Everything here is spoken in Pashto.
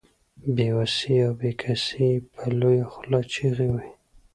بې وسي او بې کسي يې په لويه خوله چيغې وهي.